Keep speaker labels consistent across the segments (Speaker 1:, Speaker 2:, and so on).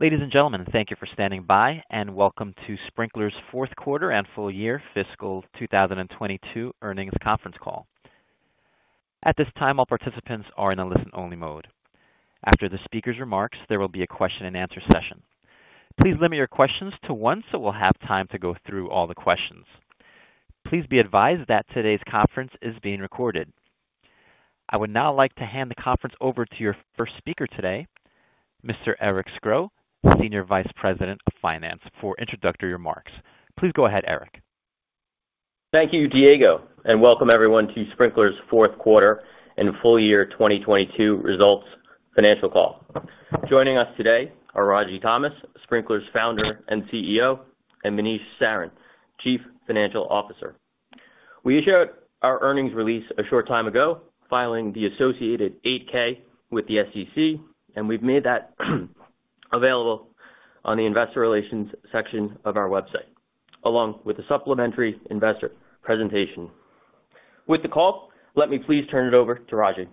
Speaker 1: Ladies and gentlemen, thank you for standing by, and welcome to Sprinklr's Fourth Quarter and Full Year Fiscal 2022 Earnings Conference Call. At this time, all participants are in a listen-only mode. After the speaker's remarks, there will be a question-and-answer session. Please limit your questions to once, so we'll have time to go through all the questions. Please be advised that today's conference is being recorded. I would now like to hand the conference over to your first speaker today, Mr. Eric Scro, Senior Vice President of Finance, for introductory remarks. Please go ahead, Eric.
Speaker 2: Thank you, Diego, and welcome everyone to Sprinklr's fourth quarter and full year 2022 results financial call. Joining us today are Ragy Thomas, Sprinklr's Founder and CEO, and Manish Sarin, Chief Financial Officer. We issued our earnings release a short time ago, filing the associated 8-K with the SEC, and we've made that available on the investor relations section of our website, along with a supplementary investor presentation. With the call, let me please turn it over to Ragy.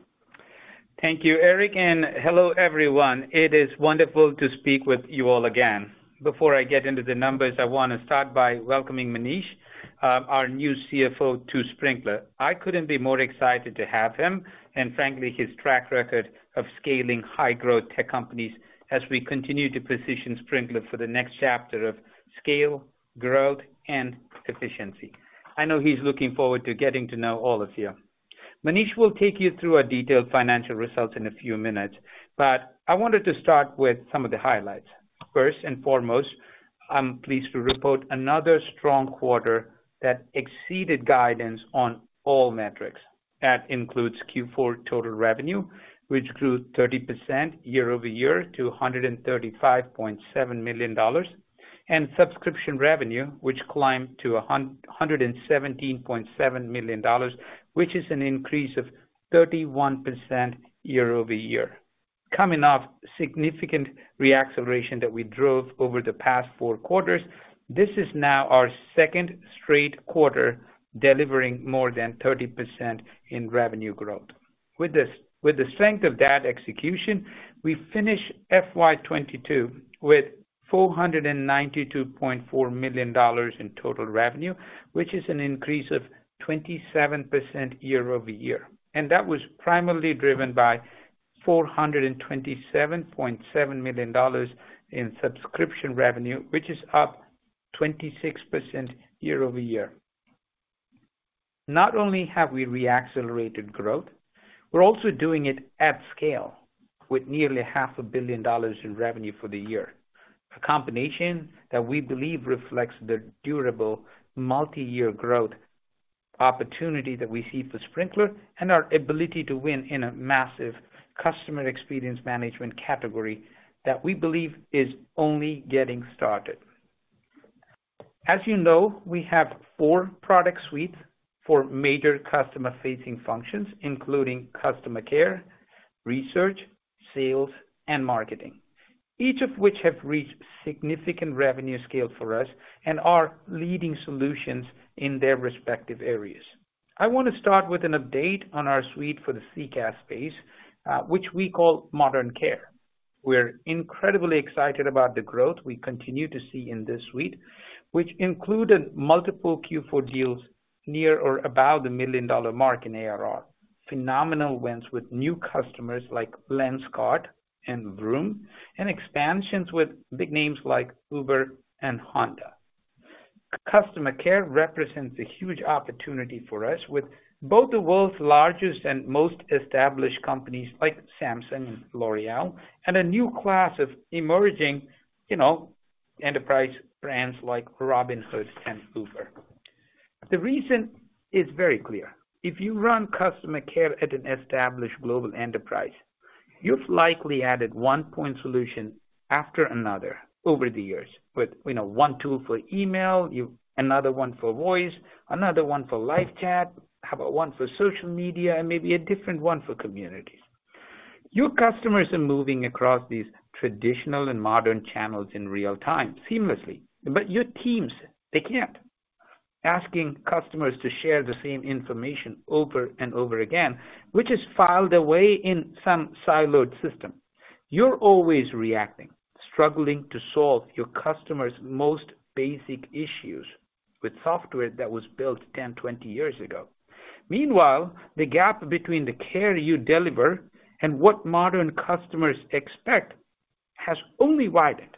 Speaker 3: Thank you, Eric, and hello everyone. It is wonderful to speak with you all again. Before I get into the numbers, I wanna start by welcoming Manish, our new CFO to Sprinklr. I couldn't be more excited to have him and frankly his track record of scaling high-growth tech companies as we continue to position Sprinklr for the next chapter of scale, growth, and efficiency. I know he's looking forward to getting to know all of you. Manish will take you through our detailed financial results in a few minutes, but I wanted to start with some of the highlights. First and foremost, I'm pleased to report another strong quarter that exceeded guidance on all metrics. That includes Q4 total revenue, which grew 30% year-over-year to $135.7 million. Subscription revenue, which climbed to $117.7 million, which is an increase of 31% year-over-year. Coming off significant re-acceleration that we drove over the past four quarters, this is now our second straight quarter delivering more than 30% in revenue growth. With the strength of that execution, we finish FY 2022 with $492.4 million in total revenue, which is an increase of 27% year-over-year. That was primarily driven by $427.7 million in subscription revenue, which is up 26% year-over-year. Not only have we re-accelerated growth, we're also doing it at scale with nearly $500,000,000 in revenue for the year. A combination that we believe reflects the durable multi-year growth opportunity that we see for Sprinklr and our ability to win in a massive customer experience management category that we believe is only getting started. As you know, we have four product suites for major customer-facing functions, including customer care, research, sales, and marketing, each of which have reached significant revenue scale for us and are leading solutions in their respective areas. I wanna start with an update on our suite for the CCaaS space, which we call Modern Care. We're incredibly excited about the growth we continue to see in this suite, which included multiple Q4 deals near or above the $1 million mark in ARR. Phenomenal wins with new customers like Lenskart and Vroom, and expansions with big names like Uber and Honda. Customer care represents a huge opportunity for us with both the world's largest and most established companies like Samsung and L'Oréal, and a new class of emerging, you know, enterprise brands like Robinhood and Uber. The reason is very clear. If you run customer care at an established global enterprise, you've likely added one point solution after another over the years. With, you know, one tool for email, another one for voice, another one for live chat. How about one for social media and maybe a different one for community. Your customers are moving across these traditional and modern channels in real-time seamlessly, but your teams, they can't, asking customers to share the same information over and over again, which is filed away in some siloed system. You're always reacting, struggling to solve your customer's most basic issues with software that was built 10, 20 years ago. Meanwhile, the gap between the care you deliver and what modern customers expect has only widened,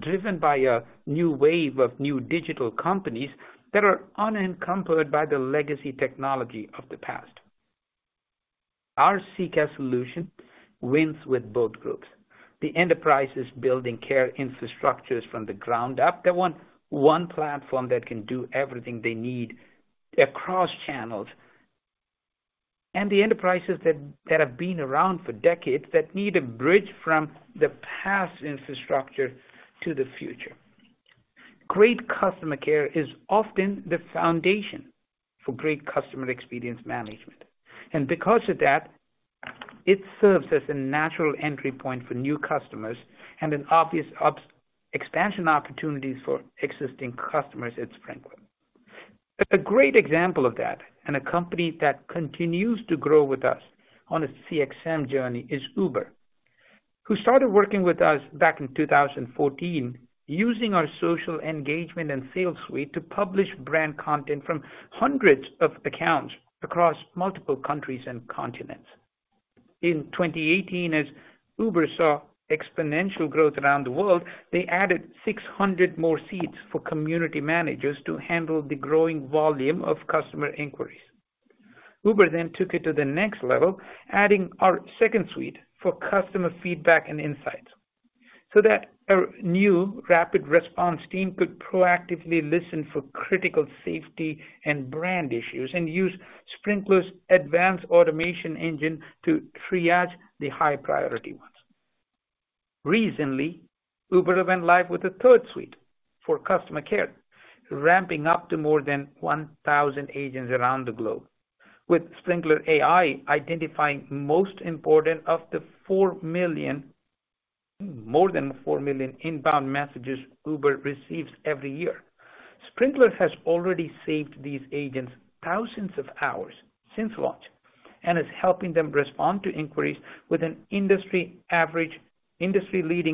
Speaker 3: driven by a new wave of new digital companies that are unencumbered by the legacy technology of the past. Our CCaaS solution wins with both groups. The enterprises building care infrastructures from the ground up, they want one platform that can do everything they need across channels. The enterprises that have been around for decades that need a bridge from the past infrastructure to the future. Great customer care is often the foundation for great customer experience management. Because of that, it serves as a natural entry point for new customers and an obvious expansion opportunity for existing customers at Sprinklr. A great example of that, and a company that continues to grow with us on its CXM journey, is Uber, who started working with us back in 2014 using our social engagement and sales suite to publish brand content from hundreds of accounts across multiple countries and continents. In 2018, as Uber saw exponential growth around the world, they added 600 more seats for community managers to handle the growing volume of customer inquiries. Uber then took it to the next level, adding our second suite for customer feedback and insights, so that a new rapid response team could proactively listen for critical safety and brand issues and use Sprinklr's advanced automation engine to triage the high-priority ones. Recently, Uber went live with a third suite for customer care, ramping up to more than 1,000 agents around the globe with Sprinklr AI identifying most important of the more than 4 million inbound messages Uber receives every year. Sprinklr has already saved these agents thousands of hours since launch, and is helping them respond to inquiries with an industry-leading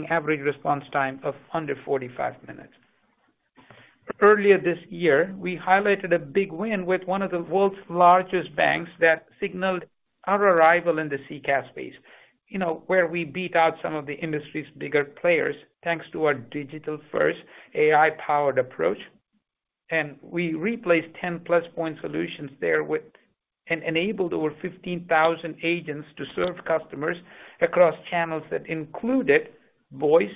Speaker 3: average response time of under 45 minutes. Earlier this year, we highlighted a big win with one of the world's largest banks that signaled our arrival in the CCaaS space. You know, where we beat out some of the industry's bigger players, thanks to our digital-first AI-powered approach. We replaced 10+ point solutions there and enabled over 15,000 agents to serve customers across channels that included voice,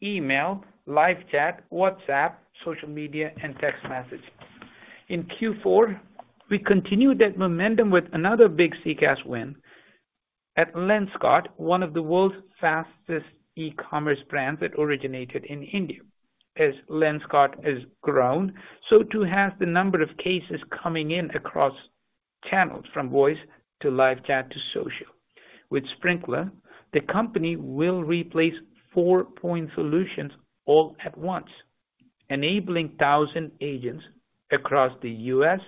Speaker 3: email, live chat, WhatsApp, social media, and text message. In Q4, we continued that momentum with another big CCaaS win at Lenskart, one of the world's fastest e-commerce brands that originated in India. As Lenskart has grown, so too has the number of cases coming in across channels, from voice to live chat to social. With Sprinklr, the company will replace four-point solutions all at once, enabling 1,000 agents across the U.S.,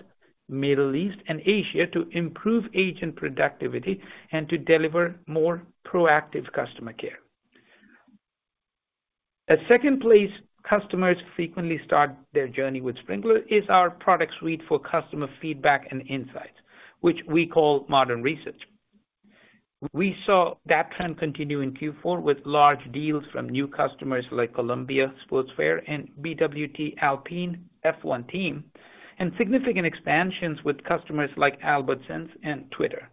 Speaker 3: Middle East, and Asia to improve agent productivity and to deliver more proactive customer care. A second place customers frequently start their journey with Sprinklr is our product suite for customer feedback and insights, which we call Modern Research. We saw that trend continue in Q4 with large deals from new customers like Columbia Sportswear and BWT Alpine F1 Team, and significant expansions with customers like Albertsons and Twitter.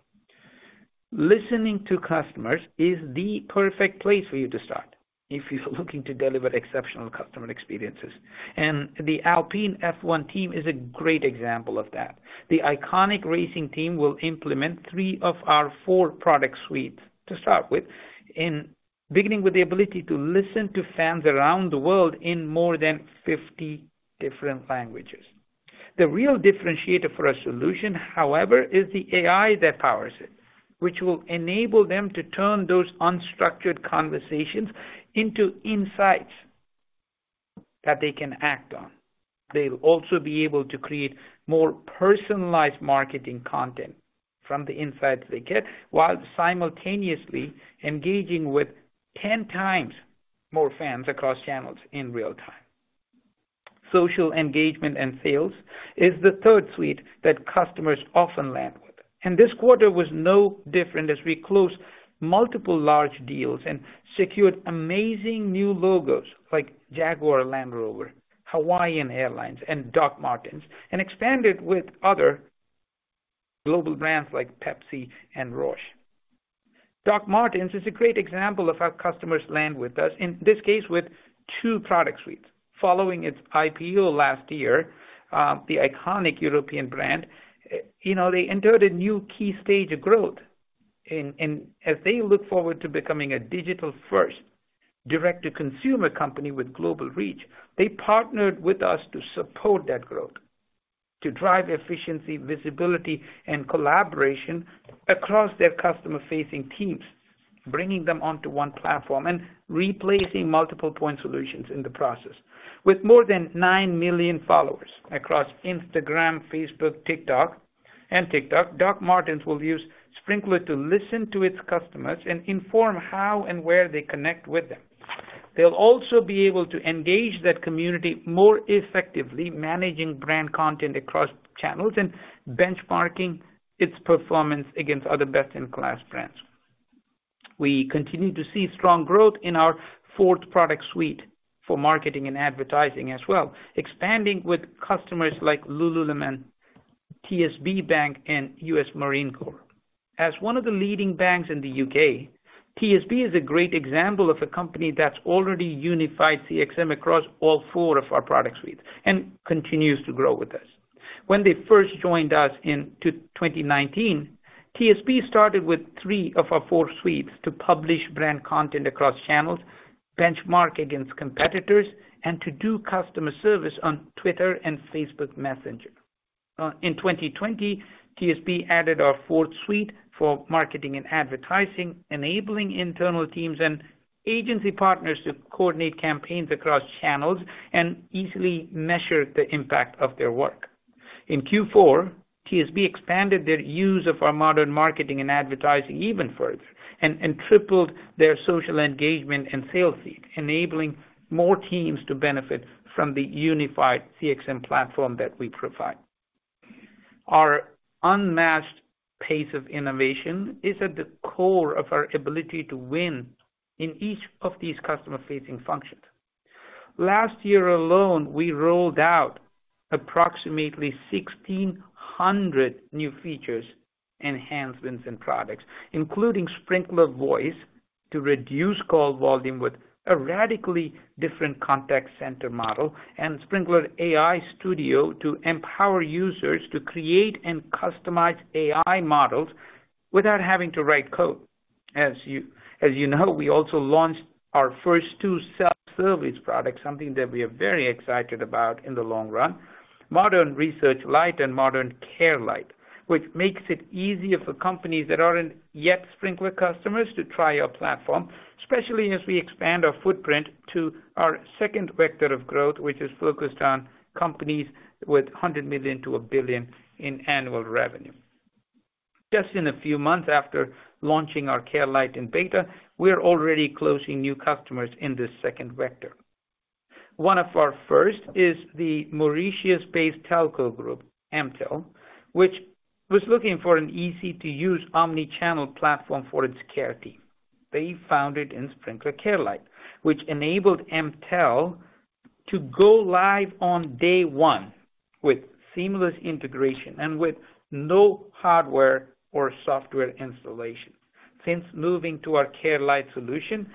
Speaker 3: Listening to customers is the perfect place for you to start if you're looking to deliver exceptional customer experiences. The Alpine F1 Team is a great example of that. The iconic racing team will implement three of our four product suites to start with, beginning with the ability to listen to fans around the world in more than 50 different languages. The real differentiator for a solution, however, is the AI that powers it, which will enable them to turn those unstructured conversations into insights that they can act on. They'll also be able to create more personalized marketing content from the insights they get, while simultaneously engaging with 10x more fans across channels in real time. Social engagement and sales is the third suite that customers often land with. This quarter was no different as we closed multiple large deals and secured amazing new logos like Jaguar Land Rover, Hawaiian Airlines, and Dr. Martens, and expanded with other global brands like Pepsi and Roche. Dr. Martens is a great example of how customers land with us, in this case with two product suites. Following its IPO last year, the iconic European brand, you know, they entered a new key stage of growth. As they look forward to becoming a digital-first direct-to-consumer company with global reach, they partnered with us to support that growth, to drive efficiency, visibility, and collaboration across their customer-facing teams, bringing them onto one platform and replacing multiple point solutions in the process. With more than 9 million followers across Instagram, Facebook, and TikTok, Dr. Martens will use Sprinklr to listen to its customers and inform how and where they connect with them. They'll also be able to engage that community more effectively, managing brand content across channels and benchmarking its performance against other best-in-class brands. We continue to see strong growth in our fourth product suite for marketing and advertising as well, expanding with customers like Lululemon, TSB Bank, and U.S. Marine Corps. As one of the leading banks in the U.K., TSB is a great example of a company that's already unified CXM across all four of our product suites and continues to grow with us. When they first joined us in 2019, TSB started with three of our four suites to publish brand content across channels, benchmark against competitors, and to do customer service on Twitter and Facebook Messenger. In 2020, TSB added our fourth suite for marketing and advertising, enabling internal teams and agency partners to coordinate campaigns across channels and easily measure the impact of their work. In Q4, TSB expanded their use of our modern marketing and advertising even further and tripled their social engagement and sales feed, enabling more teams to benefit from the unified CXM platform that we provide. Our unmatched pace of innovation is at the core of our ability to win in each of these customer-facing functions. Last year alone, we rolled out approximately 1,600 new features, enhancements, and products, including Sprinklr Voice to reduce call volume with a radically different contact center model and Sprinklr AI Studio to empower users to create and customize AI models without having to write code. As you know, we also launched our first two self-service products, something that we are very excited about in the long run, Modern Research Lite and Modern Care Lite, which makes it easier for companies that aren't yet Sprinklr customers to try our platform, especially as we expand our footprint to our second vector of growth, which is focused on companies with $100 million-$1 billion in annual revenue. Just in a few months after launching our Care Lite in beta, we are already closing new customers in this second vector. One of our first is the Mauritius-based telco group, Emtel, which was looking for an easy-to-use omni-channel platform for its care team. They found it in Sprinklr Care Lite, which enabled Emtel to go live on day one with seamless integration and with no hardware or software installation. Since moving to our Care Lite solution,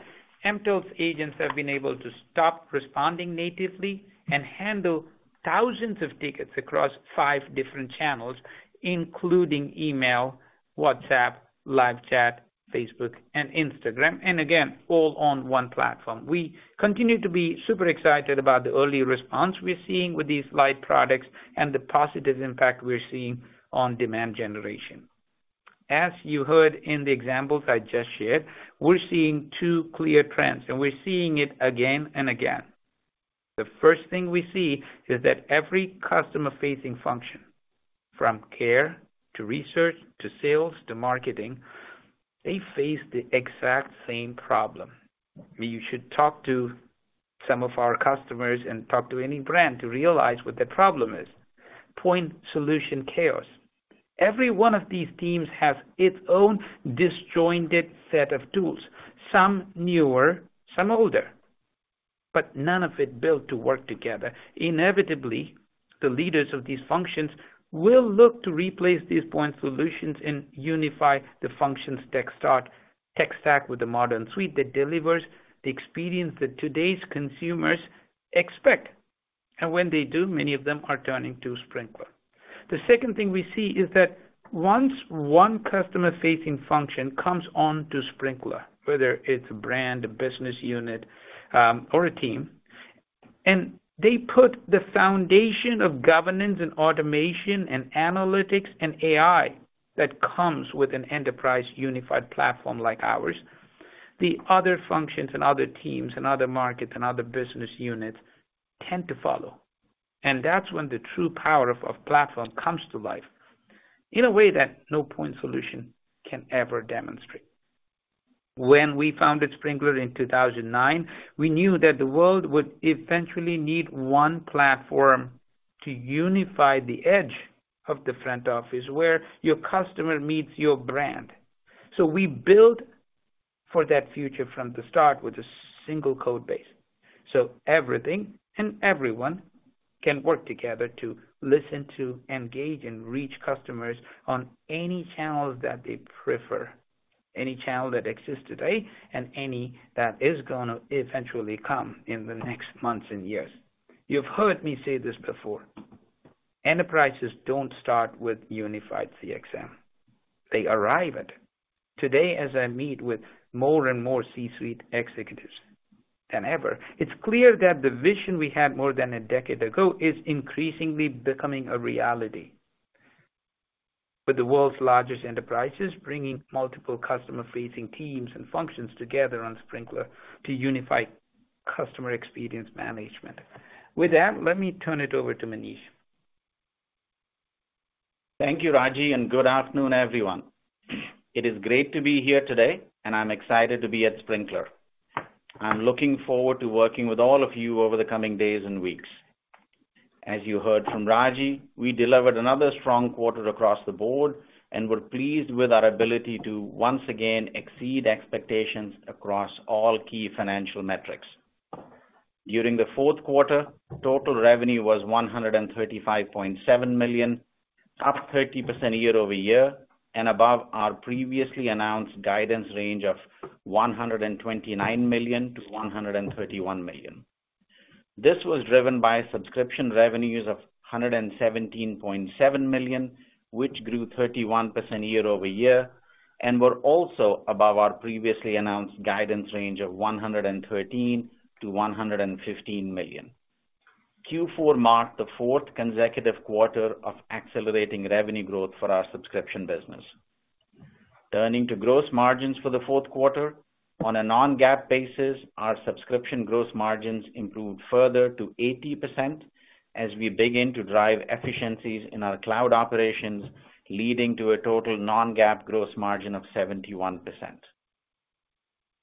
Speaker 3: Emtel's agents have been able to stop responding natively and handle thousands of tickets across five different channels, including email, WhatsApp, live chat, Facebook, and Instagram, and again, all on one platform. We continue to be super excited about the early response we're seeing with these Lite products and the positive impact we're seeing on demand generation. As you heard in the examples I just shared, we're seeing two clear trends, and we're seeing it again and again. The first thing we see is that every customer-facing function, from care to research, to sales to marketing, they face the exact same problem. You should talk to some of our customers and talk to any brand to realize what the problem is. Point solution chaos. Every one of these teams has its own disjointed set of tools, some newer, some older, but none of it built to work together. Inevitably, the leaders of these functions will look to replace these point solutions and unify the functions tech stack with the modern suite that delivers the experience that today's consumers expect. When they do, many of them are turning to Sprinklr. The second thing we see is that once one customer-facing function comes onto Sprinklr, whether it's a brand, a business unit, or a team, and they put the foundation of governance and automation and analytics and AI that comes with an enterprise unified platform like ours, the other functions and other teams and other markets and other business units tend to follow. That's when the true power of platform comes to life in a way that no point solution can ever demonstrate. When we founded Sprinklr in 2009, we knew that the world would eventually need one platform to unify the edge of the front office where your customer meets your brand. We built for that future from the start with a single code base. Everything and everyone can work together to listen, to engage and reach customers on any channels that they prefer, any channel that exists today, and any that is gonna eventually come in the next months and years. You've heard me say this before, enterprises don't start with unified CXM. They arrive at it. Today, as I meet with more and more C-suite executives than ever, it's clear that the vision we had more than a decade ago is increasingly becoming a reality. With the world's largest enterprises bringing multiple customer-facing teams and functions together on Sprinklr to unify customer experience management. With that, let me turn it over to Manish.
Speaker 4: Thank you, Ragy, and good afternoon, everyone. It is great to be here today, and I'm excited to be at Sprinklr. I'm looking forward to working with all of you over the coming days and weeks. As you heard from Ragy, we delivered another strong quarter across the board and were pleased with our ability to once again exceed expectations across all key financial metrics. During the fourth quarter, total revenue was $135.7 million, up 30% year-over-year and above our previously announced guidance range of $129 million-$131 million. This was driven by subscription revenues of $117.7 million, which grew 31% year-over-year and were also above our previously announced guidance range of $113 million-$115 million. Q4 marked the fourth consecutive quarter of accelerating revenue growth for our subscription business. Turning to gross margins for the fourth quarter. On a non-GAAP basis, our subscription gross margins improved further to 80% as we begin to drive efficiencies in our cloud operations, leading to a total non-GAAP gross margin of 71%.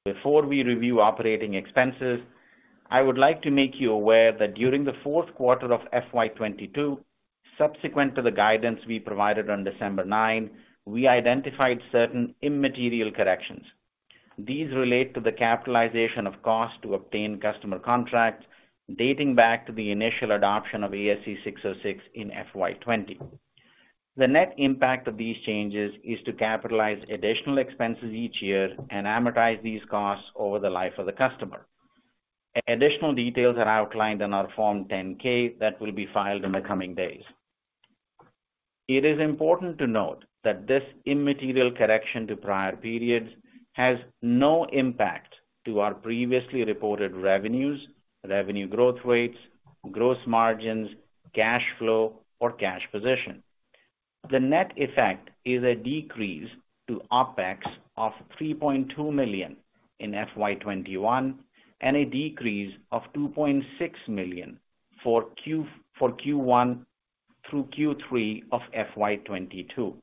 Speaker 4: Before we review operating expenses, I would like to make you aware that during the fourth quarter of FY 2022, subsequent to the guidance we provided on December 9, we identified certain immaterial corrections. These relate to the capitalization of cost to obtain customer contracts dating back to the initial adoption of ASC 606 in FY 2020. The net impact of these changes is to capitalize additional expenses each year and amortize these costs over the life of the customer. Additional details are outlined in our 10-K that will be filed in the coming days. It is important to note that this immaterial correction to prior periods has no impact to our previously reported revenues, revenue growth rates, gross margins, cash flow, or cash position. The net effect is a decrease to OpEx of $3.2 million in FY 2021, and a decrease of $2.6 million for Q1 through Q3 of FY 2022.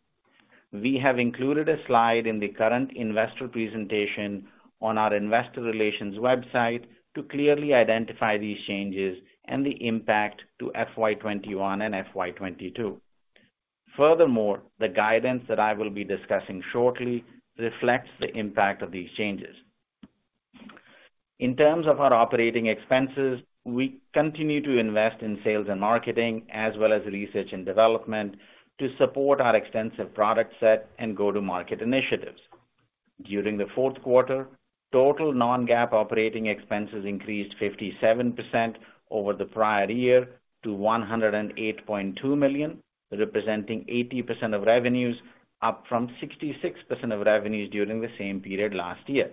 Speaker 4: We have included a slide in the current investor presentation on our investor relations website to clearly identify these changes and the impact to FY 2021 and FY 2022. Furthermore, the guidance that I will be discussing shortly reflects the impact of these changes. In terms of our operating expenses, we continue to invest in sales and marketing as well as research and development to support our extensive product set and go-to-market initiatives. During the fourth quarter, total non-GAAP operating expenses increased 57% over the prior year to $108.2 million, representing 80% of revenues, up from 66% of revenues during the same period last year.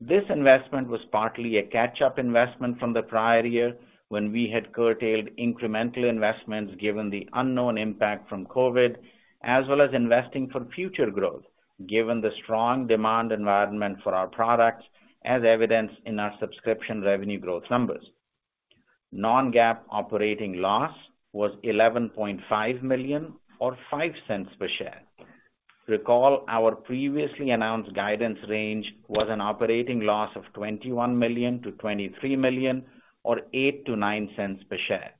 Speaker 4: This investment was partly a catch-up investment from the prior year when we had curtailed incremental investments given the unknown impact from COVID, as well as investing for future growth, given the strong demand environment for our products, as evidenced in our subscription revenue growth numbers. Non-GAAP operating loss was $11.5 million or $0.05 per share. Recall our previously announced guidance range was an operating loss of $21 million-$23 million or $0.08-$0.09 cents per share.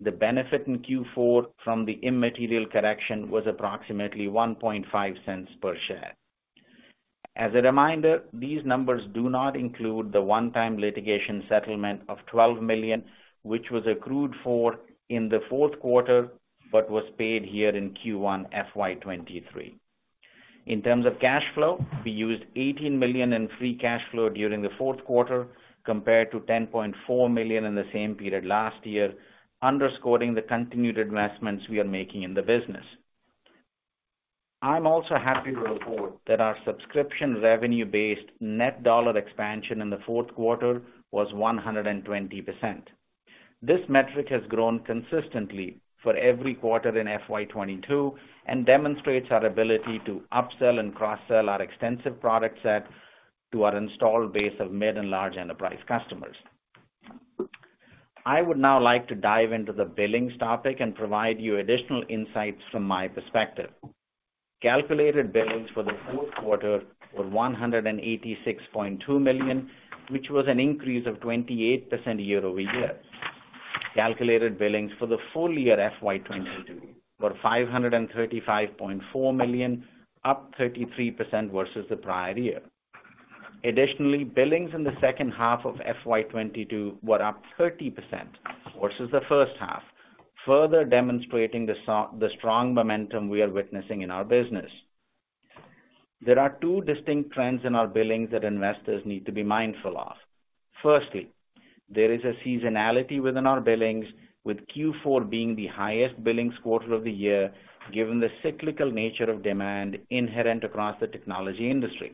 Speaker 4: The benefit in Q4 from the immaterial correction was approximately $0.015 per share. As a reminder, these numbers do not include the one-time litigation settlement of $12 million, which was accrued for in the fourth quarter but was paid here in Q1 FY 2023. In terms of cash flow, we used $18 million in free cash flow during the fourth quarter compared to $10.4 million in the same period last year, underscoring the continued investments we are making in the business. I'm also happy to report that our subscription revenue-based net dollar expansion in the fourth quarter was 120%. This metric has grown consistently for every quarter in FY 2022 and demonstrates our ability to upsell and cross-sell our extensive product set to our installed base of mid and large enterprise customers. I would now like to dive into the billings topic and provide you additional insights from my perspective. Calculated billings for the fourth quarter were $186.2 million, which was an increase of 28% year-over-year. Calculated billings for the full year FY 2022 were $535.4 million, up 33% versus the prior year. Additionally, billings in the second half of FY 2022 were up 30% versus the first half, further demonstrating the strong momentum we are witnessing in our business. There are two distinct trends in our billings that investors need to be mindful of. Firstly, there is a seasonality within our billings, with Q4 being the highest billings quarter of the year, given the cyclical nature of demand inherent across the technology industry.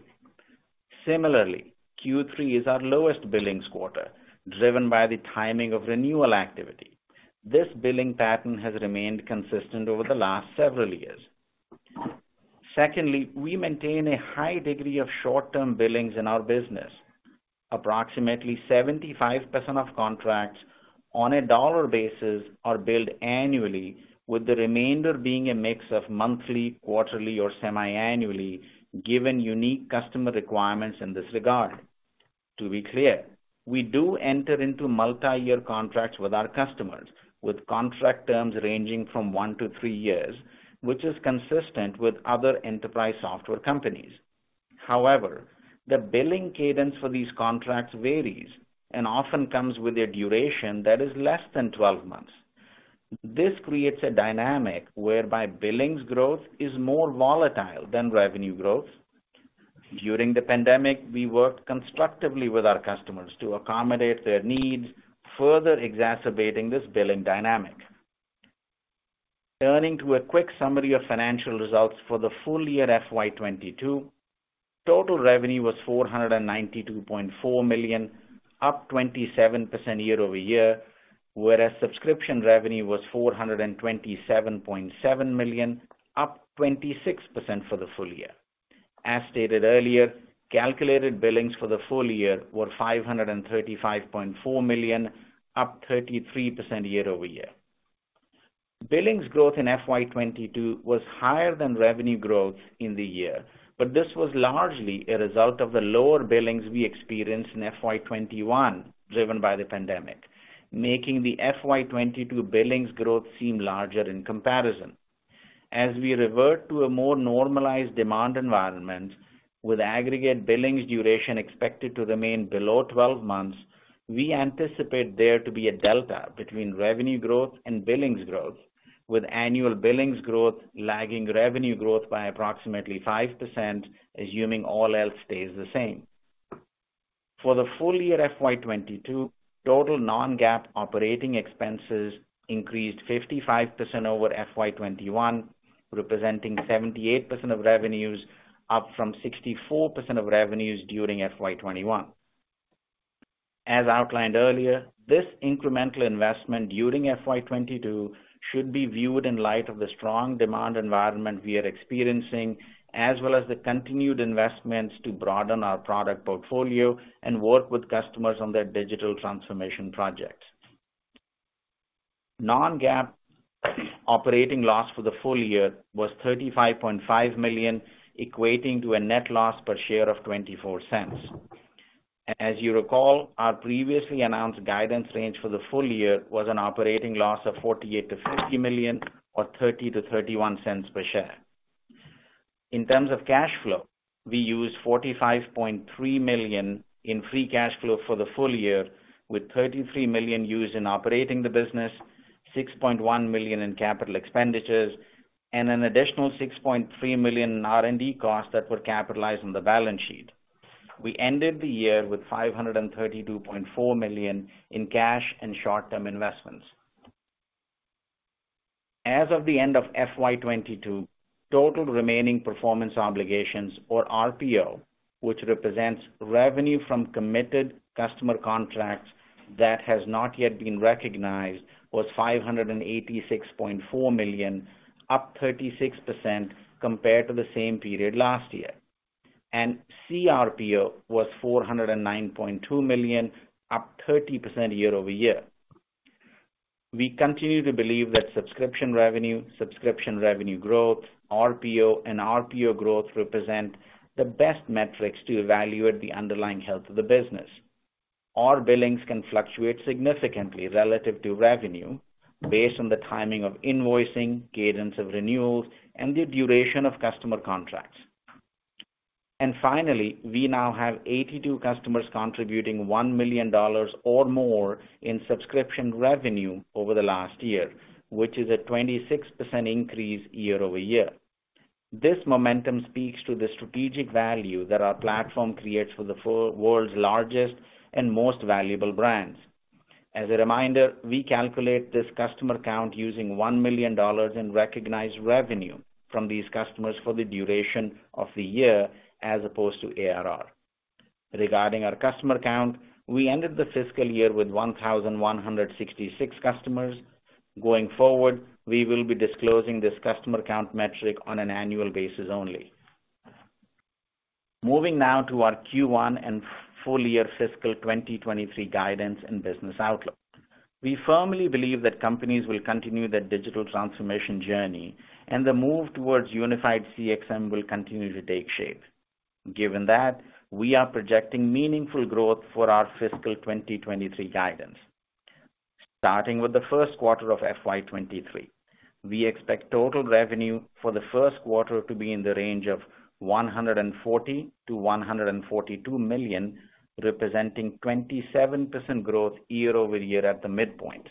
Speaker 4: Similarly, Q3 is our lowest billings quarter, driven by the timing of renewal activity. This billing pattern has remained consistent over the last several years. Secondly, we maintain a high degree of short-term billings in our business. Approximately 75% of contracts on a dollar basis are billed annually, with the remainder being a mix of monthly, quarterly, or semiannually given unique customer requirements in this regard. To be clear, we do enter into multiyear contracts with our customers, with contract terms ranging from one to three years, which is consistent with other enterprise software companies. However, the billing cadence for these contracts varies and often comes with a duration that is less than 12 months. This creates a dynamic whereby billings growth is more volatile than revenue growth. During the pandemic, we worked constructively with our customers to accommodate their needs, further exacerbating this billing dynamic. Turning to a quick summary of financial results for the full year FY 2022. Total revenue was $492.4 million, up 27% year-over-year, whereas subscription revenue was $427.7 million, up 26% for the full year. As stated earlier, calculated billings for the full year were $535.4 million, up 33% year-over-year. Billings growth in FY 2022 was higher than revenue growth in the year, but this was largely a result of the lower billings we experienced in FY 2021, driven by the pandemic, making the FY 2022 billings growth seem larger in comparison. As we revert to a more normalized demand environment with aggregate billings duration expected to remain below 12 months, we anticipate there to be a delta between revenue growth and billings growth, with annual billings growth lagging revenue growth by approximately 5%, assuming all else stays the same. For the full year FY 2022, total non-GAAP operating expenses increased 55% over FY 2021, representing 78% of revenues, up from 64% of revenues during FY 2021. As outlined earlier, this incremental investment during FY 2022 should be viewed in light of the strong demand environment we are experiencing, as well as the continued investments to broaden our product portfolio and work with customers on their digital transformation projects. Non-GAAP operating loss for the full year was $35.5 million, equating to a net loss per share of $0.24. As you recall, our previously announced guidance range for the full year was an operating loss of $48 million-$50 million or $0.30-$0.31 per share. In terms of cash flow, we used $45.3 million in free cash flow for the full year, with $33 million used in operating the business, $6.1 million in capital expenditures, and an additional $6.3 million in R&D costs that were capitalized on the balance sheet. We ended the year with $532.4 million in cash and short-term investments. As of the end of FY 2022, total remaining performance obligations or RPO, which represents revenue from committed customer contracts that has not yet been recognized, was $586.4 million, up 36% compared to the same period last year, and CRPO was $409.2 million, up 30% year-over-year. We continue to believe that subscription revenue, subscription revenue growth, RPO and RPO growth represent the best metrics to evaluate the underlying health of the business. Our billings can fluctuate significantly relative to revenue based on the timing of invoicing, cadence of renewals, and the duration of customer contracts. Finally, we now have 82 customers contributing $1 million or more in subscription revenue over the last year, which is a 26% increase year-over-year. This momentum speaks to the strategic value that our platform creates for the world's largest and most valuable brands. As a reminder, we calculate this customer count using $1 million in recognized revenue from these customers for the duration of the year as opposed to ARR. Regarding our customer count, we ended the fiscal year with 1,166 customers. Going forward, we will be disclosing this customer count metric on an annual basis only. Moving now to our Q1 and full year fiscal 2023 guidance and business outlook. We firmly believe that companies will continue their digital transformation journey, and the move towards unified CXM will continue to take shape. Given that, we are projecting meaningful growth for our fiscal 2023 guidance. Starting with the first quarter of FY 2023, we expect total revenue for the first quarter to be in the range of $140 million-$142 million, representing 27% growth year-over-year at the midpoint.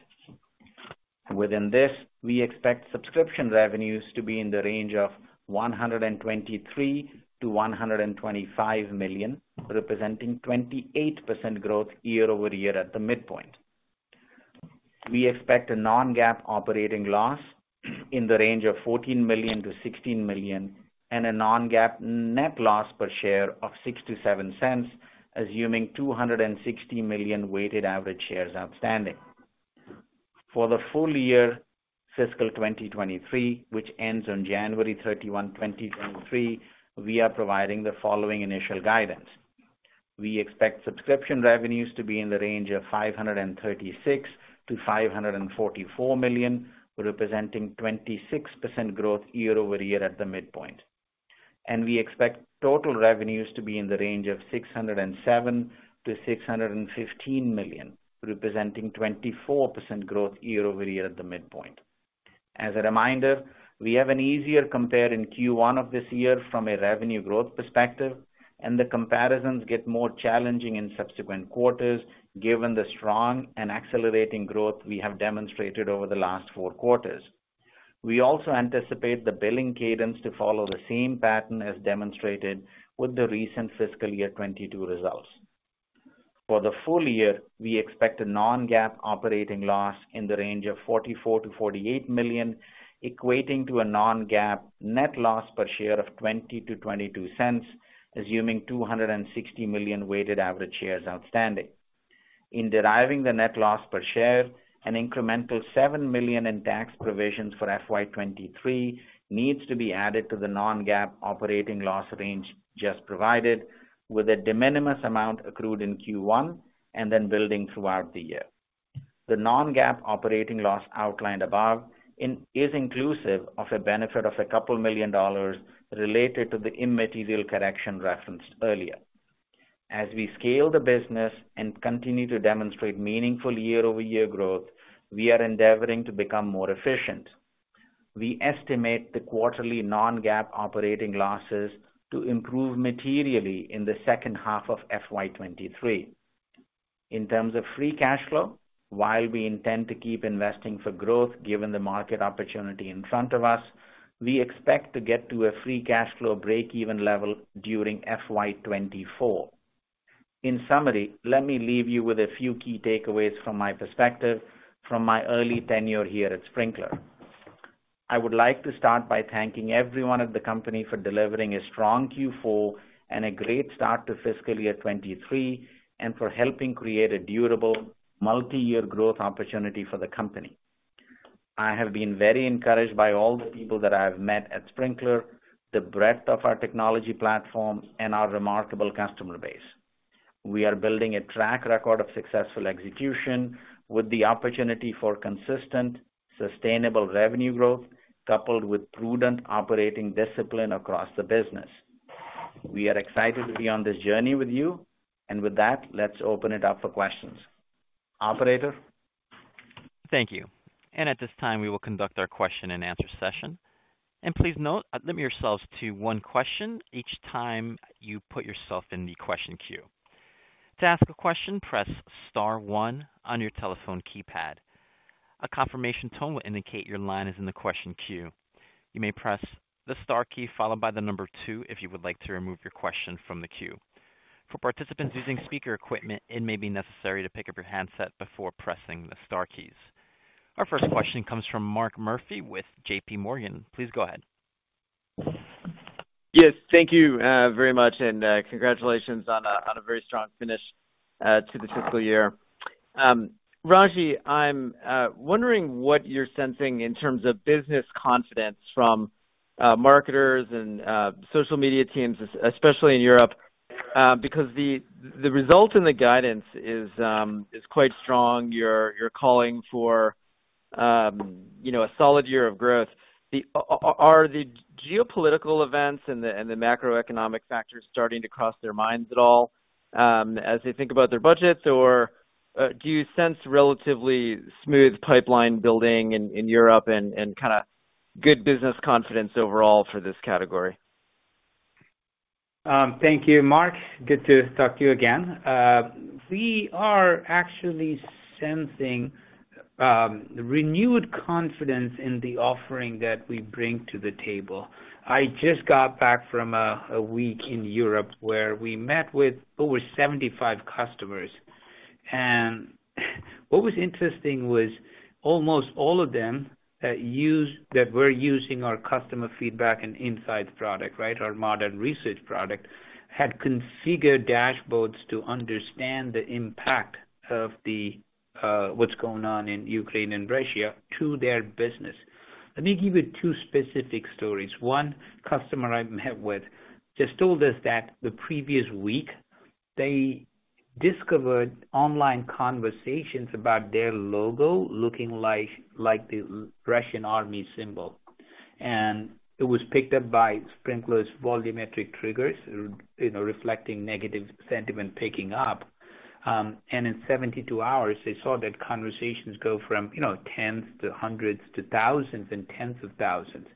Speaker 4: Within this, we expect subscription revenues to be in the range of $123 million-$125 million, representing 28% growth year-over-year at the midpoint. We expect a non-GAAP operating loss in the range of $14 million-$16 million and a non-GAAP net loss per share of $0.06-$0.07, assuming 260 million weighted average shares outstanding. For the full year fiscal 2023, which ends on January 31, 2023, we are providing the following initial guidance. We expect subscription revenues to be in the range of $536 million-$544 million, representing 26% growth year-over-year at the midpoint. We expect total revenues to be in the range of $607 million-$615 million, representing 24% growth year-over-year at the midpoint. As a reminder, we have an easier compare in Q1 of this year from a revenue growth perspective, and the comparisons get more challenging in subsequent quarters, given the strong and accelerating growth we have demonstrated over the last four quarters. We also anticipate the billing cadence to follow the same pattern as demonstrated with the recent fiscal year 2022 results. For the full year, we expect a non-GAAP operating loss in the range of $44 million-$48 million, equating to a non-GAAP net loss per share of $0.20-$0.22, assuming 260 million weighted average shares outstanding. In deriving the net loss per share, an incremental $7 million in tax provisions for FY 2023 needs to be added to the non-GAAP operating loss range just provided, with a de minimis amount accrued in Q1 and then building throughout the year. The non-GAAP operating loss outlined above is inclusive of a benefit of a couple million dollars related to the immaterial correction referenced earlier. As we scale the business and continue to demonstrate meaningful year-over-year growth, we are endeavoring to become more efficient. We estimate the quarterly non-GAAP operating losses to improve materially in the second half of FY 2023. In terms of free cash flow, while we intend to keep investing for growth, given the market opportunity in front of us, we expect to get to a free cash flow breakeven level during FY 2024. In summary, let me leave you with a few key takeaways from my perspective from my early tenure here at Sprinklr. I would like to start by thanking everyone at the company for delivering a strong Q4 and a great start to fiscal year 2023 and for helping create a durable multi-year growth opportunity for the company. I have been very encouraged by all the people that I have met at Sprinklr, the breadth of our technology platform, and our remarkable customer base. We are building a track record of successful execution with the opportunity for consistent, sustainable revenue growth, coupled with prudent operating discipline across the business. We are excited to be on this journey with you, and with that, let's open it up for questions. Operator?
Speaker 1: Thank you. At this time, we will conduct our question and answer session. Please note, limit yourselves to one question each time you put yourself in the question queue. To ask a question, press star one on your telephone keypad. A confirmation tone will indicate your line is in the question queue. You may press the star key followed by the number two if you would like to remove your question from the queue. For participants using speaker equipment, it may be necessary to pick up your handset before pressing the star keys. Our first question comes from Mark Murphy with JPMorgan. Please go ahead.
Speaker 5: Yes, thank you very much, and congratulations on a very strong finish to the fiscal year. Ragy, I'm wondering what you're sensing in terms of business confidence from marketers and social media teams, especially in Europe, because the result in the guidance is quite strong. You're calling for, you know, a solid year of growth. Are the geopolitical events and the macroeconomic factors starting to cross their minds at all, as they think about their budgets? Or do you sense relatively smooth pipeline building in Europe and kinda good business confidence overall for this category?
Speaker 3: Thank you, Mark. Good to talk to you again. We are actually sensing renewed confidence in the offering that we bring to the table. I just got back from a week in Europe where we met with over 75 customers. What was interesting was almost all of them that were using our customer feedback and insights product, right, our Modern Research product, had configured dashboards to understand the impact of what's going on in Ukraine and Russia to their business. Let me give you two specific stories. One customer I met with just told us that the previous week, they discovered online conversations about their logo looking like the Russian army symbol. It was picked up by Sprinklr's volumetric triggers, you know, reflecting negative sentiment picking up. In 72 hours, they saw that conversations go from, you know, tens to hundreds to thousands and tens of thousands.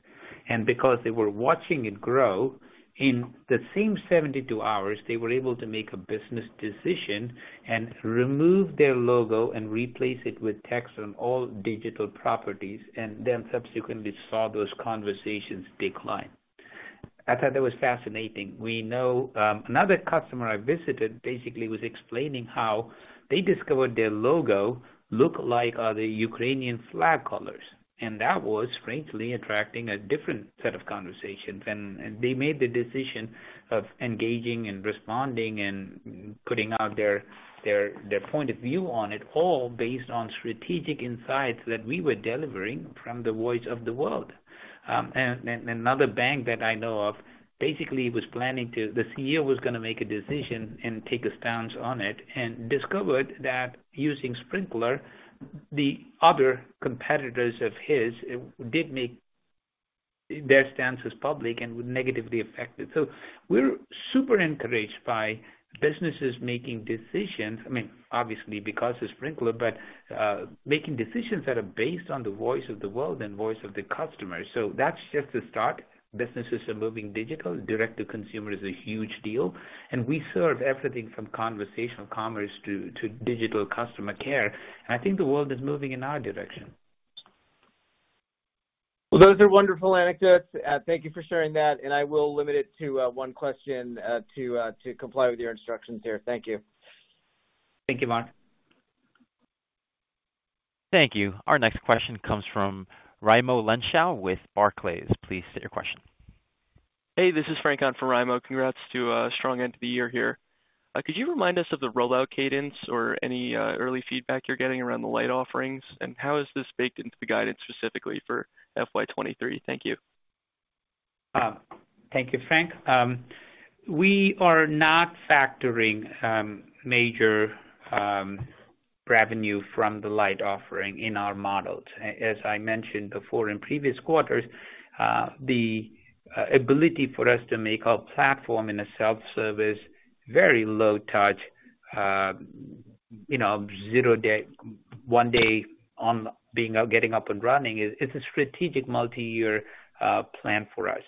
Speaker 3: Because they were watching it grow, in the same 72 hours, they were able to make a business decision and remove their logo and replace it with text on all digital properties, and then subsequently saw those conversations decline. I thought that was fascinating. We know another customer I visited basically was explaining how they discovered their logo look like the Ukrainian flag colors. That was frankly attracting a different set of conversations. They made the decision of engaging and responding and putting out their point of view on it, all based on strategic insights that we were delivering from the voice of the world. Another bank that I know of basically was planning to... The CEO was gonna make a decision and take a stance on it and discovered that using Sprinklr, the other competitors of his did make their stances public and would negatively affect it. We're super encouraged by businesses making decisions, I mean, obviously because of Sprinklr, but making decisions that are based on the voice of the world and voice of the customer. That's just a start. Businesses are moving digital. Direct to consumer is a huge deal, and we serve everything from conversational commerce to digital customer care. I think the world is moving in our direction.
Speaker 5: Well, those are wonderful anecdotes. Thank you for sharing that, and I will limit it to one question, to comply with your instructions here. Thank you.
Speaker 3: Thank you, Mark.
Speaker 1: Thank you. Our next question comes from Raimo Lenschow with Barclays. Please state your question.
Speaker 6: Hey, this is Frank on for Raimo. Congrats to a strong end to the year here. Could you remind us of the rollout cadence or any early feedback you're getting around the light offerings, and how is this baked into the guidance specifically for FY 2023? Thank you.
Speaker 3: Thank you, Frank. We are not factoring major revenue from the Lite offering in our models. As I mentioned before in previous quarters, the ability for us to make our platform in a self-service, very low touch, you know, zero-day, one-day onboarding getting up and running is a strategic multi-year plan for us.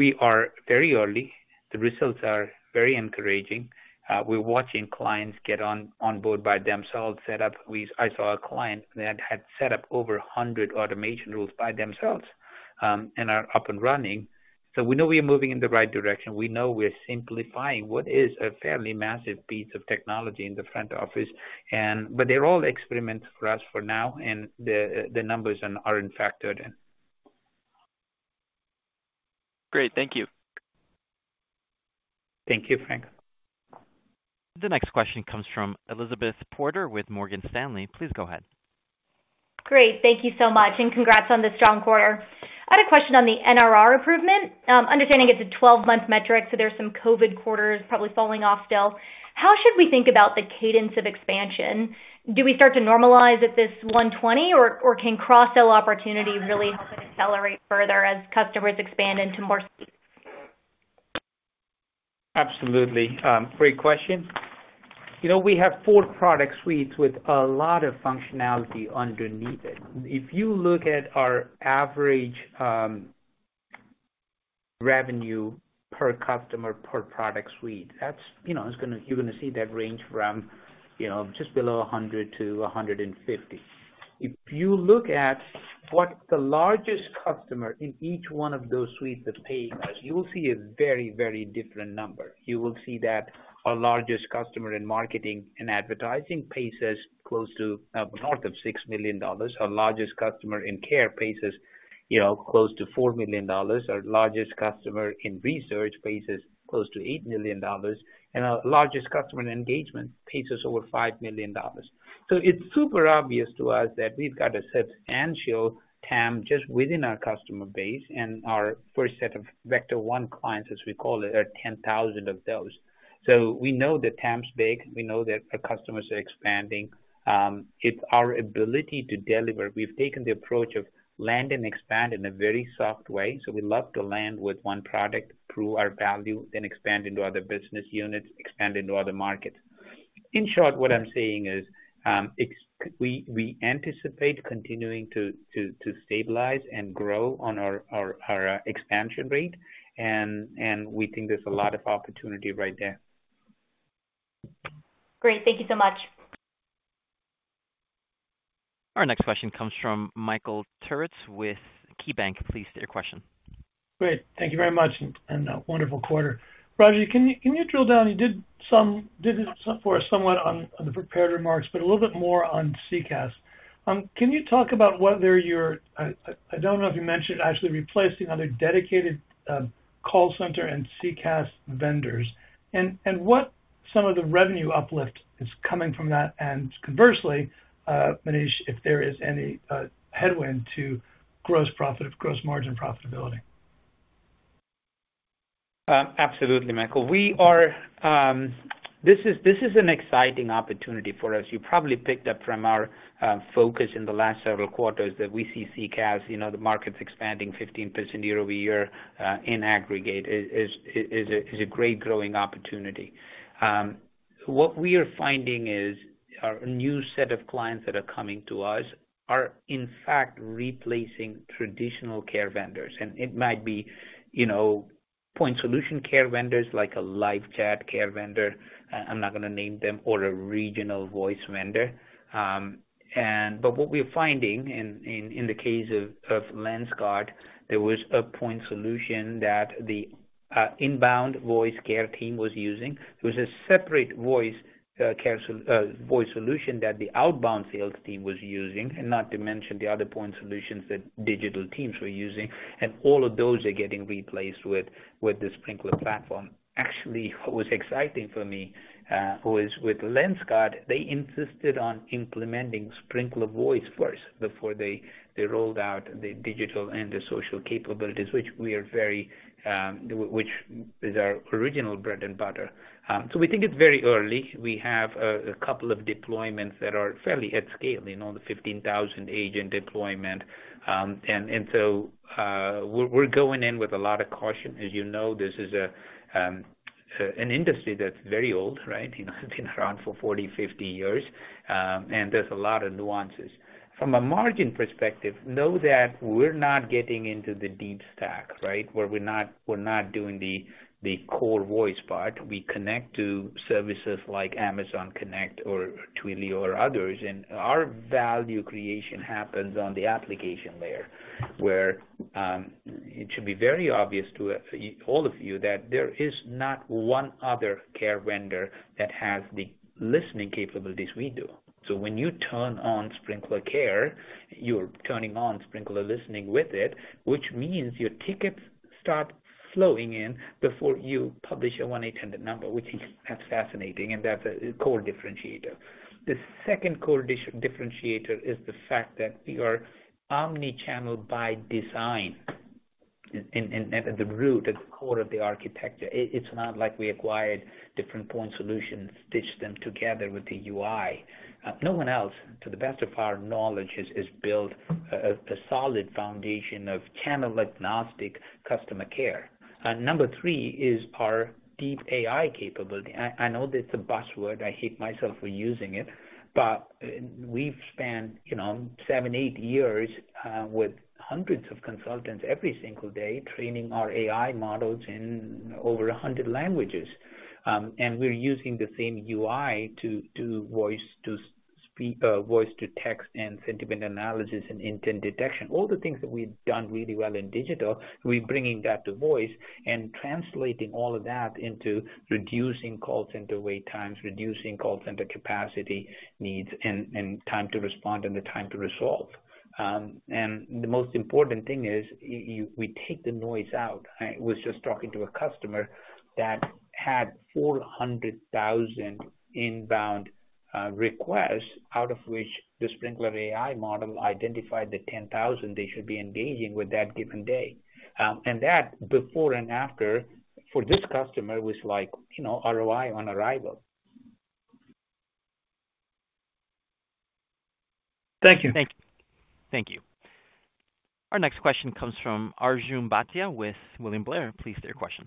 Speaker 3: We are very early. The results are very encouraging. We're watching clients get onboard by themselves, set up. I saw a client that had set up over 100 automation rules by themselves, and are up and running. We know we are moving in the right direction. We know we're simplifying what is a fairly massive piece of technology in the front office and. They're all experiments for us for now, and the numbers are factored in.
Speaker 6: Great. Thank you.
Speaker 3: Thank you, Frank.
Speaker 1: The next question comes from Elizabeth Porter with Morgan Stanley. Please go ahead.
Speaker 7: Great. Thank you so much, and congrats on the strong quarter. I had a question on the NRR improvement. Understanding it's a 12-month metric, so there's some COVID quarters probably falling off still. How should we think about the cadence of expansion? Do we start to normalize at this 120, or can cross-sell opportunities really help it accelerate further as customers expand into more suites?
Speaker 3: Absolutely. Great question. You know, we have four product suites with a lot of functionality underneath it. If you look at our average revenue per customer, per product suite, that's, you know, you're going to see that range from, you know, just below 100 to 150. If you look at what the largest customer in each one of those suites is paying us, you will see a very, very different number. You will see that our largest customer in marketing and advertising pays us close to north of $6 million. Our largest customer in care pays us, you know, close to $4 million. Our largest customer in research pays us close to $8 million, and our largest customer in engagement pays us over $5 million. It's super obvious to us that we've got a substantial TAM just within our customer base, and our first set of vector one clients, as we call it, are 10,000 of those. We know the TAM's big. We know that our customers are expanding. It's our ability to deliver. We've taken the approach of land and expand in a very soft way. We love to land with one product, prove our value, then expand into other business units, expand into other markets. In short, what I'm saying is, we anticipate continuing to stabilize and grow on our expansion rate, and we think there's a lot of opportunity right there.
Speaker 7: Great. Thank you so much.
Speaker 1: Our next question comes from Michael Turits with KeyBanc. Please state your question.
Speaker 8: Great. Thank you very much, wonderful quarter. Ragy, can you drill down? You did some for us somewhat on the prepared remarks, but a little bit more on CCaaS. Can you talk about whether you're, I don't know if you mentioned actually replacing other dedicated call center and CCaaS vendors and what some of the revenue uplift is coming from that, and conversely, Manish, if there is any headwind to gross margin profitability.
Speaker 3: Absolutely, Michael. We are. This is an exciting opportunity for us. You probably picked up from our focus in the last several quarters that we see CCaaS, you know, the market's expanding 15% year-over-year, in aggregate, is a great growing opportunity. What we are finding is our new set of clients that are coming to us are in fact replacing traditional care vendors. It might be, you know, point solution care vendors like a live chat care vendor, I'm not gonna name them, or a regional voice vendor. What we're finding in the case of Lenskart, there was a point solution that the inbound voice care team was using. It was a separate voice solution that the outbound sales team was using, and not to mention the other point solutions that digital teams were using. All of those are getting replaced with the Sprinklr platform. Actually, what was exciting for me was with Lenskart, they insisted on implementing Sprinklr Voice first before they rolled out the digital and the social capabilities, which we are very, which is our original bread and butter. We think it's very early. We have a couple of deployments that are fairly at scale, you know, the 15,000 agent deployment. We're going in with a lot of caution. As you know, this is an industry that's very old, right? You know, it's been around for 40, 50 years, and there's a lot of nuances. From a margin perspective, know that we're not getting into the deep stack, right? Where we're not doing the core voice part. We connect to services like Amazon Connect or Twilio or others. Our value creation happens on the application layer, where it should be very obvious to all of you that there is not one other care vendor that has the listening capabilities we do. So when you turn on Sprinklr Care, you're turning on Sprinklr Listening with it, which means your tickets start flowing in before you publish a 1-800 number, which is fascinating, and that's a core differentiator. The second core differentiator is the fact that we are omni-channel by design at the root, at the core of the architecture. It's not like we acquired different point solutions, stitched them together with the UI. No one else, to the best of our knowledge, has built a solid foundation of channel-agnostic customer care. Number three is our deep AI capability. I know that's a buzzword. I hate myself for using it, but we've spent, you know, seven, eight years with hundreds of consultants every single day training our AI models in over 100 languages. We're using the same UI to voice to text and sentiment analysis and intent detection. All the things that we've done really well in digital, we're bringing that to voice and translating all of that into reducing call center wait times, reducing call center capacity needs, and time to respond and the time to resolve. The most important thing is we take the noise out. I was just talking to a customer that had 400,000 inbound requests out of which the Sprinklr AI model identified the 10,000 they should be engaging with that given day. That before and after, for this customer, was like, you know, ROI on arrival.
Speaker 8: Thank you.
Speaker 1: Thank you. Our next question comes from Arjun Bhatia with William Blair. Please state your question.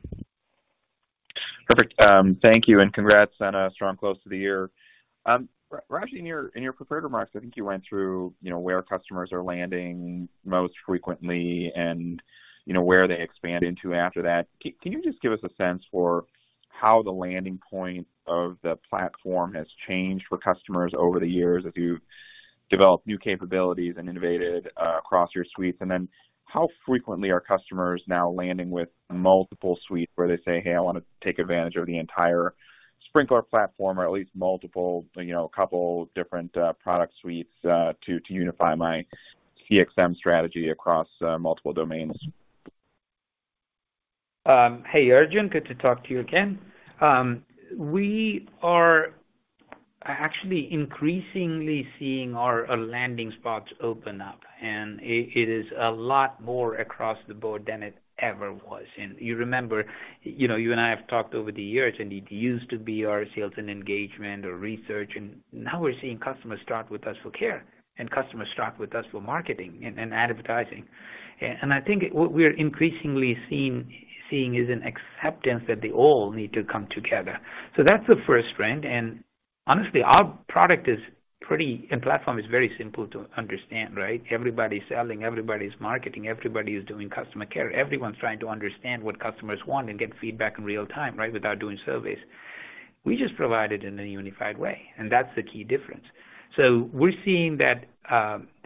Speaker 9: Perfect. Thank you, and congrats on a strong close to the year. Ragy, in your prepared remarks, I think you went through, you know, where customers are landing most frequently and, you know, where they expand into after that. Can you just give us a sense for how the landing point of the platform has changed for customers over the years as you've developed new capabilities and innovated across your suites? Then how frequently are customers now landing with multiple suites where they say, "Hey, I wanna take advantage of the entire Sprinklr platform or at least multiple, you know, couple different product suites to unify my CXM strategy across multiple domains.
Speaker 3: Hey, Arjun. Good to talk to you again. We are actually increasingly seeing our landing spots open up, and it is a lot more across the board than it ever was. You remember, you know, you and I have talked over the years, and it used to be our sales and engagement or research, and now we're seeing customers start with us for care and customers start with us for marketing and advertising. I think what we're increasingly seeing is an acceptance that they all need to come together. That's the first trend. Honestly, our product and platform is very simple to understand, right? Everybody's selling, everybody's marketing, everybody is doing customer care. Everyone's trying to understand what customers want and get feedback in real time, right? Without doing surveys. We just provide it in a unified way, and that's the key difference. We're seeing that,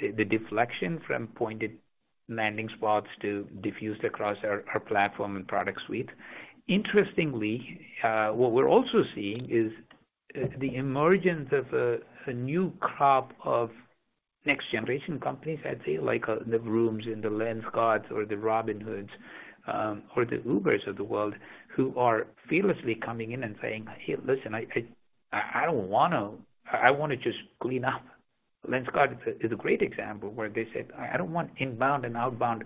Speaker 3: the deflection from pointed landing spots to diffuse across our platform and product suite. Interestingly, what we're also seeing is, the emergence of a new crop of next generation companies, I'd say, like, the Vrooms and the Lenskarts or the Robinhoods, or the Ubers of the world, who are fearlessly coming in and saying, "Hey, listen, I wanna just clean up." Lenskart is a great example where they said, "I don't want inbound and outbound,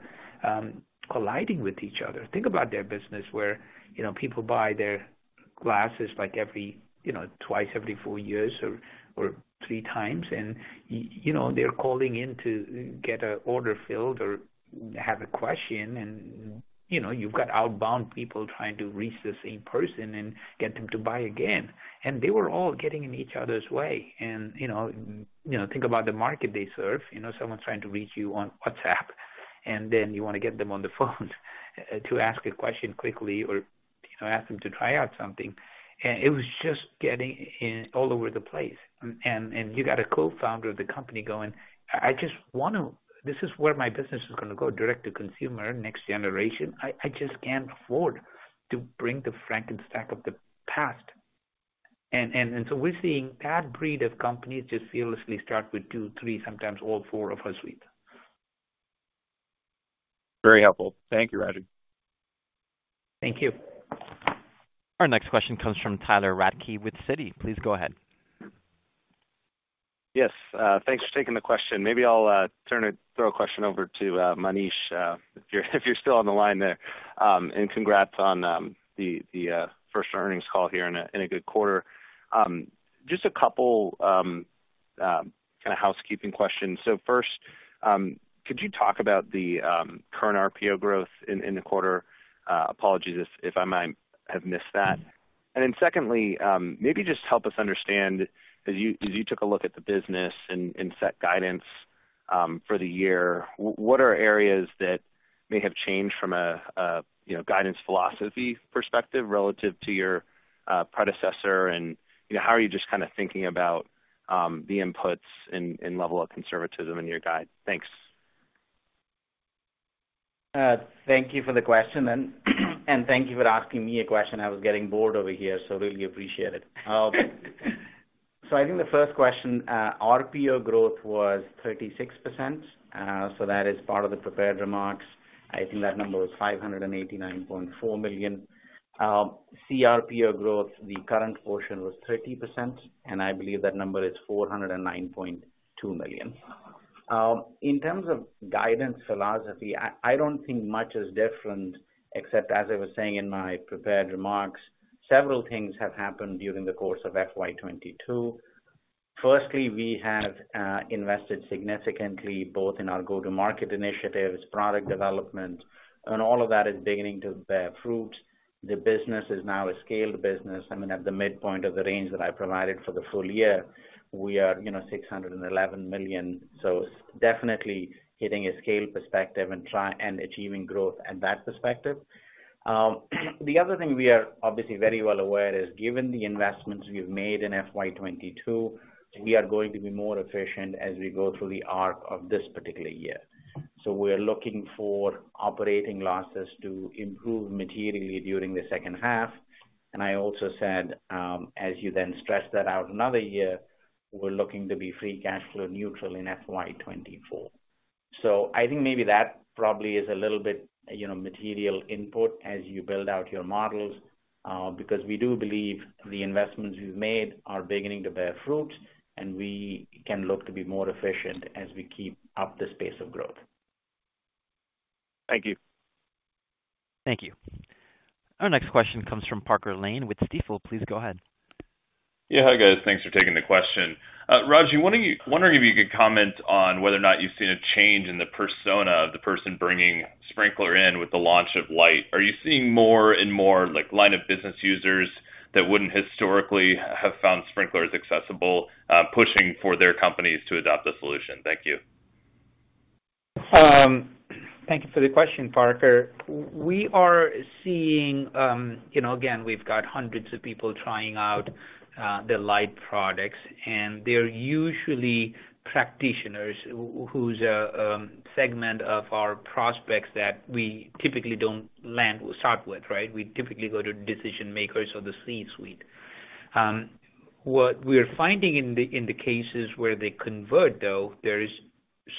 Speaker 3: colliding with each other." Think about their business where, you know, people buy their glasses like every, you know, twice every four years or three times. You know, they're calling in to get a order filled or have a question and, you know, you've got outbound people trying to reach the same person and get them to buy again. They were all getting in each other's way. You know, you know, think about the market they serve. You know, someone's trying to reach you on WhatsApp, and then you wanna get them on the phone to ask a question quickly or, you know, ask them to try out something. It was just getting in all over the place. You got a co-founder of the company going, "I just wanna. This is where my business is gonna go, direct to consumer, next generation. I just can't afford to bring the frankenstack of the past. We're seeing that breed of companies just fearlessly start with two, three, sometimes all four of our suite.
Speaker 9: Very helpful. Thank you, Ragy.
Speaker 3: Thank you.
Speaker 1: Our next question comes from Tyler Radke with Citi. Please go ahead.
Speaker 10: Yes. Thanks for taking the question. Maybe I'll throw a question over to Manish, if you're still on the line there. Congrats on the first earnings call here in a good quarter. Just a couple, Kind of housekeeping questions. First, could you talk about the current RPO growth in the quarter? Apologies if I might have missed that. Secondly, maybe just help us understand as you took a look at the business and set guidance for the year, what are areas that may have changed from a you know, guidance philosophy perspective relative to your predecessor? You know, how are you just kinda thinking about the inputs and level of conservatism in your guide? Thanks.
Speaker 4: Thank you for the question, and thank you for asking me a question. I was getting bored over here, so really appreciate it. I think the first question, RPO growth was 36%. That is part of the prepared remarks. I think that number was $589.4 million. CRPO growth, the current portion was 30%, and I believe that number is $409.2 million. In terms of guidance philosophy, I don't think much is different except as I was saying in my prepared remarks, several things have happened during the course of FY 2022. Firstly, we have invested significantly both in our go-to-market initiatives, product development, and all of that is beginning to bear fruit. The business is now a scaled business. I mean, at the midpoint of the range that I provided for the full year, we are, you know, $611 million. Definitely hitting a scale perspective and achieving growth at that perspective. The other thing we are obviously very well aware is given the investments we've made in FY 2022, we are going to be more efficient as we go through the arc of this particular year. We're looking for operating losses to improve materially during the second half. I also said, as you then stress that out another year, we're looking to be free cash flow neutral in FY 2024. I think maybe that probably is a little bit, you know, material input as you build out your models, because we do believe the investments we've made are beginning to bear fruit, and we can look to be more efficient as we keep up this pace of growth.
Speaker 10: Thank you.
Speaker 1: Thank you. Our next question comes from Parker Lane with Stifel. Please go ahead.
Speaker 11: Hi, guys. Thanks for taking the question. Ragy, wondering if you could comment on whether or not you've seen a change in the persona of the person bringing Sprinklr in with the launch of Lite. Are you seeing more and more, like, line of business users that wouldn't historically have found Sprinklr as accessible, pushing for their companies to adopt the solution? Thank you.
Speaker 3: Thank you for the question, Parker. We are seeing, you know, again, we've got hundreds of people trying out the Lite products, and they're usually practitioners whose segment of our prospects that we typically don't land or start with, right? We typically go to decision-makers or the C-suite. What we're finding in the cases where they convert, though, there is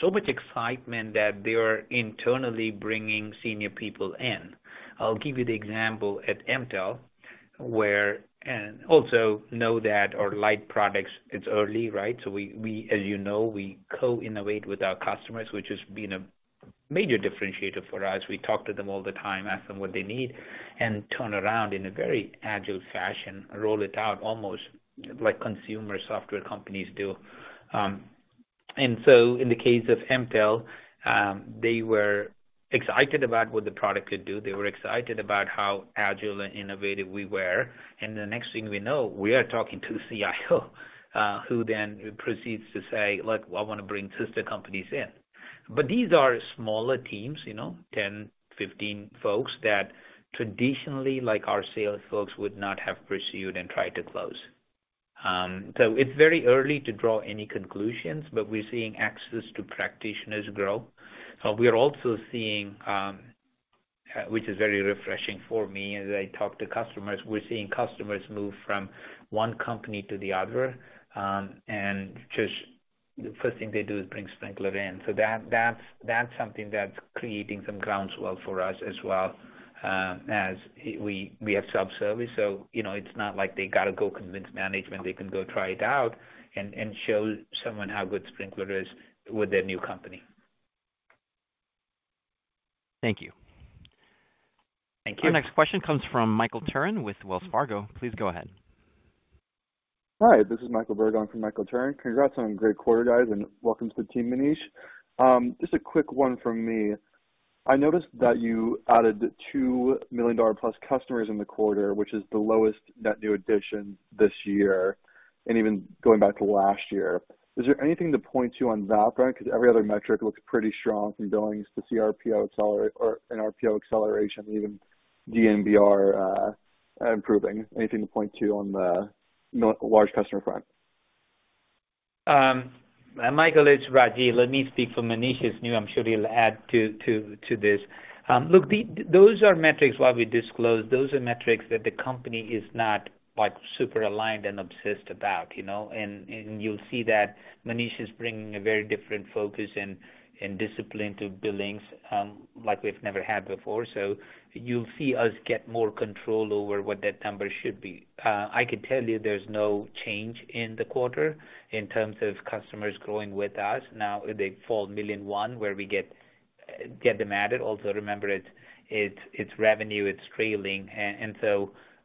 Speaker 3: so much excitement that they are internally bringing senior people in. I'll give you the example at Emtel and also know that our Lite products, it's early, right? We as you know, we co-innovate with our customers, which has been a major differentiator for us. We talk to them all the time, ask them what they need, and turn around in a very agile fashion, roll it out almost like consumer software companies do. In the case of Emtel, they were excited about what the product could do. They were excited about how agile and innovative we were. The next thing we know, we are talking to CIO, who then proceeds to say, "Look, I wanna bring sister companies in." These are smaller teams, you know, 10, 15 folks that traditionally, like our sales folks, would not have pursued and tried to close. It's very early to draw any conclusions, but we're seeing access to practitioners grow. We are also seeing, which is very refreshing for me as I talk to customers, we're seeing customers move from one company to the other, and just the first thing they do is bring Sprinklr in. That's something that's creating some groundswell for us as well, as we have self-service, you know, it's not like they gotta go convince management. They can go try it out and show someone how good Sprinklr is with their new company.
Speaker 1: Thank you.
Speaker 3: Thank you.
Speaker 1: Our next question comes from Michael Turrin with Wells Fargo. Please go ahead.
Speaker 12: Hi, this is Michael Berg on for Michael Turrin. Congrats on a great quarter, guys, and welcome to the team, Manish. Just a quick one from me. I noticed that you added $2 million+ customers in the quarter, which is the lowest net new addition this year, and even going back to last year. Is there anything to point to on that front? Because every other metric looks pretty strong from billings to CRPO or RPO acceleration, even dNBR improving. Anything to point to on the large customer front?
Speaker 3: Michael, it's Ragy. Let me speak for Manish. He's new. I'm sure he'll add to this. Look, those are metrics while we disclose, those are metrics that the company is not, like, super aligned and obsessed about, you know. You'll see that Manish is bringing a very different focus and discipline to billings, like we've never had before. You'll see us get more control over what that number should be. I can tell you there's no change in the quarter in terms of customers growing with us. Now they fall 1,100,000 where we get them added. Also, remember, it's revenue, it's trailing.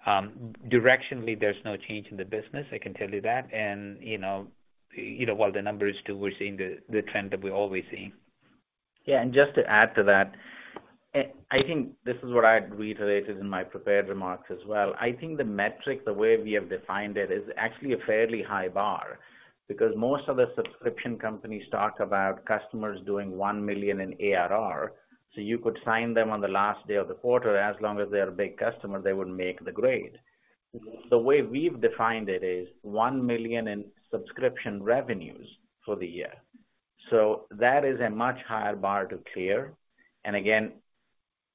Speaker 3: Directionally, there's no change in the business, I can tell you that. You know, while the numbers too, we're seeing the trend that we always see.
Speaker 4: Yeah. Just to add to that, I think this is what I reiterated in my prepared remarks as well. I think the metric, the way we have defined it, is actually a fairly high bar because most of the subscription companies talk about customers doing 1 million in ARR. You could sign them on the last day of the quarter, as long as they're a big customer, they would make the grade. The way we've defined it is 1 million in subscription revenues for the year. That is a much higher bar to clear. Again,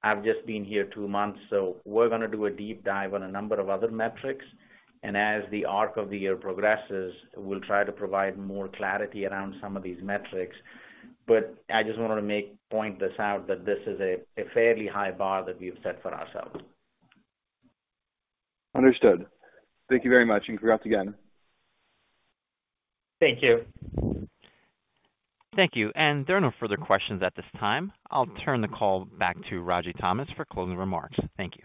Speaker 4: I've just been here two months, so we're gonna do a deep dive on a number of other metrics, and as the arc of the year progresses, we'll try to provide more clarity around some of these metrics. I just wanted to point this out, that this is a fairly high bar that we've set for ourselves.
Speaker 12: Understood. Thank you very much and congrats again.
Speaker 4: Thank you.
Speaker 1: Thank you. There are no further questions at this time. I'll turn the call back to Ragy Thomas for closing remarks. Thank you.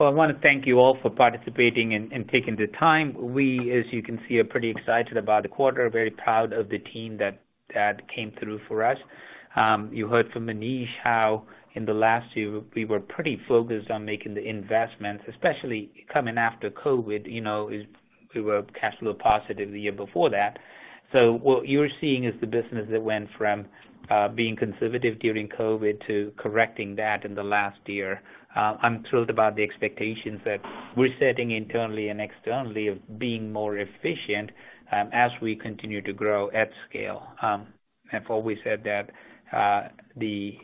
Speaker 3: Well, I wanna thank you all for participating and taking the time. We, as you can see, are pretty excited about the quarter, very proud of the team that came through for us. You heard from Manish how in the last year we were pretty focused on making the investments, especially coming after COVID. You know, we were cash flow positive the year before that. What you're seeing is the business that went from being conservative during COVID to correcting that in the last year. I'm thrilled about the expectations that we're setting internally and externally of being more efficient as we continue to grow at scale. I've always said that the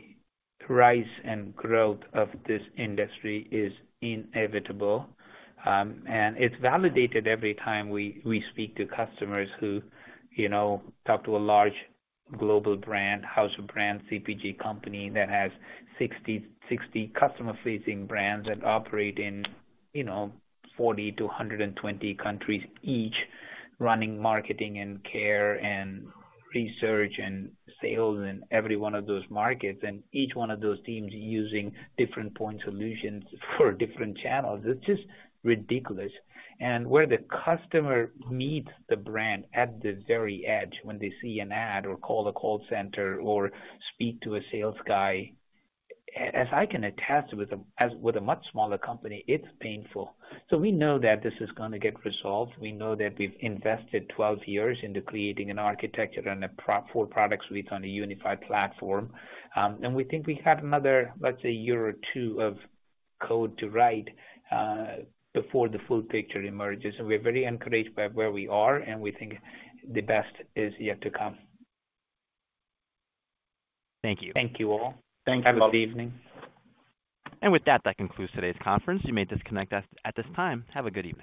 Speaker 3: rise and growth of this industry is inevitable. It's validated every time we speak to customers who, you know, talk to a large global brand, house brand CPG company that has 60 customer-facing brands that operate in, you know, 40 to 120 countries each, running marketing and care and research and sales in every one of those markets. Each one of those teams are using different point solutions for different channels. It's just ridiculous. Where the customer meets the brand at the very edge when they see an ad or call a call center or speak to a sales guy, as I can attest with a much smaller company, it's painful. We know that this is gonna get resolved. We know that we've invested 12 years into creating an architecture and a product suite on a unified platform. We think we have another, let's say, year or two of code to write before the full picture emerges. We're very encouraged by where we are, and we think the best is yet to come.
Speaker 1: Thank you.
Speaker 3: Thank you all.
Speaker 4: Thanks.
Speaker 3: Have a good evening.
Speaker 1: With that concludes today's conference. You may disconnect at this time. Have a good evening.